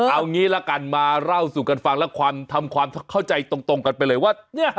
เอางี้ละกันมาเล่าสู่กันฟังและความทำความเข้าใจตรงกันไปเลยว่า